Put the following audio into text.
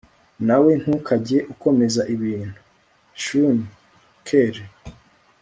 nawe ntukajye ukomeza ibintu shn kelli